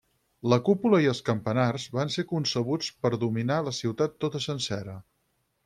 La cúpula i els campanars van ser concebuts per dominar la ciutat tota sencera.